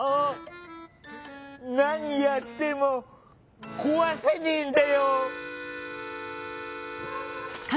何やっても壊せねえんだよ！